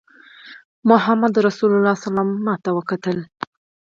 محمدرسول ماته وکتل.